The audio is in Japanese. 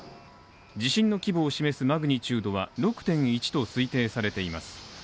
地震の規模を示すマグニチュードは６．１と推定されています。